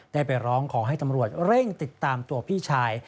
ได้ไปร้องขอให้ตำรวจเร่งติดตามตัวพี่ชาย